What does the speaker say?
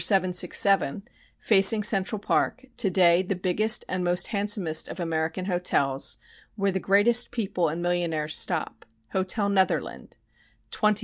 767, facing Central Park, to day the biggest and most handsomest of American hotels, where the greatest people and millionaires stop Hotel Netherland 20,000,000.